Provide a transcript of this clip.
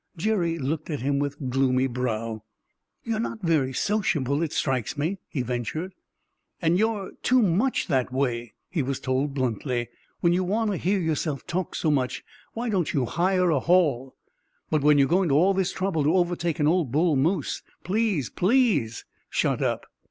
Jerry looked at him with gloomy brow. "You're not very sociable, it strikes me," he ventured. "And you're too much that way," he was told bluntly. "When you want to hear yourself talk so much, why don't you hire a hall? But when you're going to all this trouble to overtake an old bull moose, please, please shut up!"